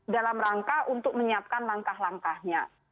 dalam rangka untuk menyiapkan langkah langkahnya